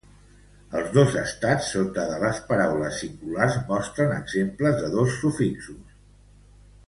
Els dos estats sota de les paraules singulars mostren exemples de dos sufixos.